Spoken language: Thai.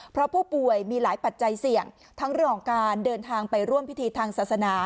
เพราะผู้ป่วยมีหลายปัจจัยเสี่ยงทั้งเรื่องของการเดินทางไปร่วมพิธีทางศาสนา